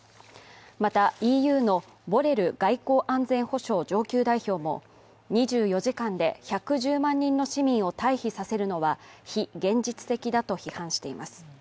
また、ＥＵのボレル外交安全保障上級代表も２４時間で１１０万人の市民を退避させるのは非現実的だと批判しています。